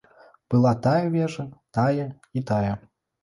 Была тая вежа, тая і тая.